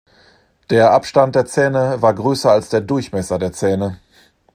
Der Abstand der Zähne war größer als der Durchmesser der Zähne.